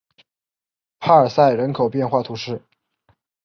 帕尔塞人口变化图示